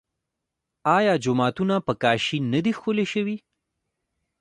آیا جوماتونه په کاشي نه دي ښکلي شوي؟